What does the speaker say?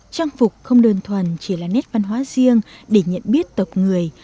trang phục không đơn thuần chỉ là nét văn hóa riêng để nhận biết tộc người